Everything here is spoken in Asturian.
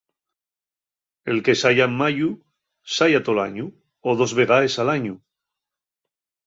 El que salla en mayu, salla tol añu; o dos vegaes al añu.